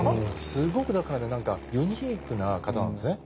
すごくだからね何かユニークな方なんですね。